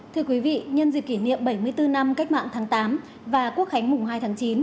thưa quý vị nhân dịp kỷ niệm bảy mươi bốn năm cách mạng tháng tám và quốc khánh mùng hai tháng chín